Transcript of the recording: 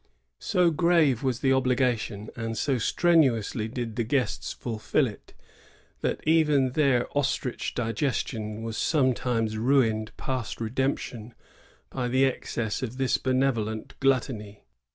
So grave was the obligation, and so strenuously did the guests fulfil it, that even their ostrich digestion was sometimes ruined past redemption by the excess of this benevo lent gluttony.